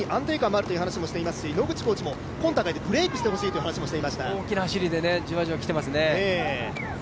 コーチも過去最高に安定感があるという話もしてますし野口コーチも今大会でブレイクしてほしいと話していました。